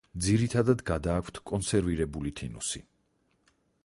ძირითადად გადააქვთ კონსერვირებული თინუსი.